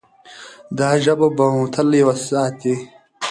دا ژبه به مو تل یوه ساتي.